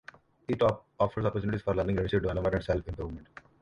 It offers opportunities for learning, leadership development, and self-improvement.